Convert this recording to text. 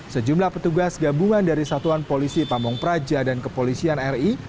sejumlah petugas gabungan dari satuan polisi pamung praja dan kepolisian ri